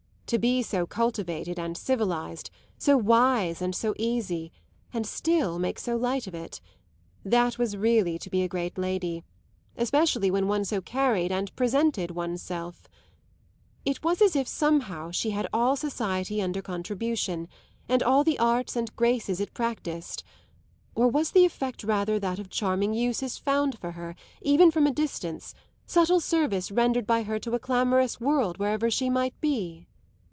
To be so cultivated and civilised, so wise and so easy, and still make so light of it that was really to be a great lady, especially when one so carried and presented one's self. It was as if somehow she had all society under contribution, and all the arts and graces it practised or was the effect rather that of charming uses found for her, even from a distance, subtle service rendered by her to a clamorous world wherever she might be?